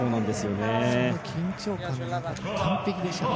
その緊張感の中、完璧でした。